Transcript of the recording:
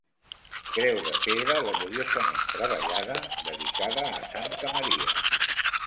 Creu de pedra laboriosament treballada dedicada a Santa Maria.